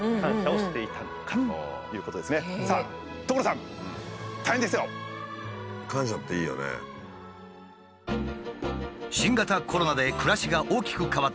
新型コロナで暮らしが大きく変わってしまった今年。